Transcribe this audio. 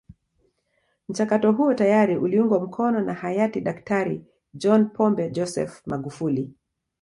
Mchakato huo tayari uliungwa mkono na hayati Daktari John Pombe Joseph Magufuli